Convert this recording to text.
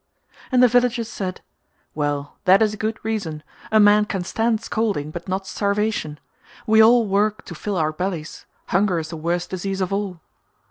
And the villagers said "Well, that is a good reason, a man can stand scolding but not starvation; we all work to fill our bellies, hunger is the worst disease of all."